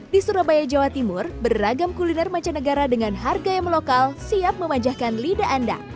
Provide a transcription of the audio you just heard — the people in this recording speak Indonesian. di surabaya jawa timur beragam kuliner mancanegara dengan harga yang melokal siap memanjakan lidah anda